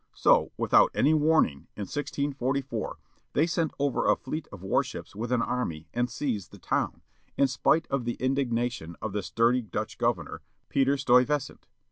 So, without any warning, in 1644, they sent over a fleet of warships with an army, and seized the town, in spite of the indignation of the sturdy Dutch Governor, Peter Stuyvesant.